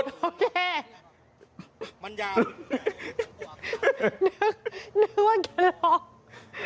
นึกไว้แกล้งหอก